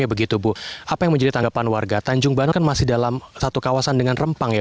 ibu rahimah selain dapur tiga pemerintah juga berada di dalam dapur tiga